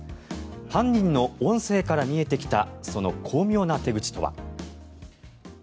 犯人の音声から見えてきたその巧妙な手口とは。